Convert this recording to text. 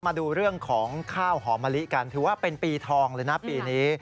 มาดูเรื่องของข้าวหอมะลิกันถือว่าเป็นปีทองเลยนะปีนี้